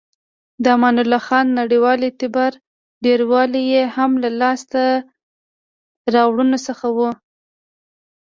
د امان الله خان نړیوال اعتبار ډیروالی یې هم له لاسته راوړنو څخه و.